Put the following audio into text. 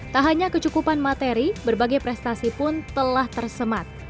tak hanya kecukupan materi berbagai prestasi pun telah tersemat